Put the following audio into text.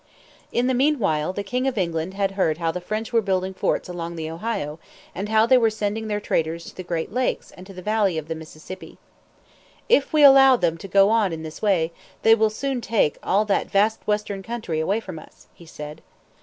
In the meanwhile the king of England had heard how the French were building forts along the Ohio and how they were sending their traders to the Great Lakes and to the valley of the Mississippi. "If we allow them to go on in this way, they will soon take all that vast western country away from us," he said.